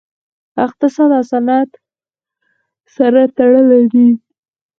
اقتصاد او صنعت سره تړلي دي